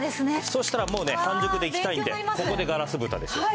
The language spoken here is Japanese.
そしたらもうね半熟でいきたいんでここでガラスぶたです。